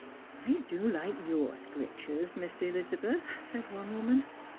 " I do like your Scriptures, Miss Elizabeth," said one woman.